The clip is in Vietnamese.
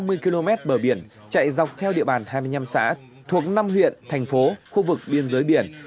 tỉnh quảng ngãi có hơn một trăm ba mươi km bờ biển chạy dọc theo địa bàn hai mươi năm xã thuộc năm huyện thành phố khu vực biên giới biển